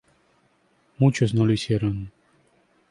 Muchos no lo hicieron.